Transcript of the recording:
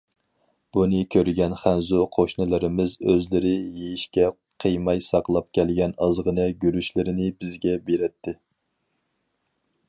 بۇنى كۆرگەن خەنزۇ قوشنىلىرىمىز ئۆزلىرى يېيىشكە قىيماي ساقلاپ كەلگەن ئازغىنە گۈرۈچلىرىنى بىزگە بېرەتتى.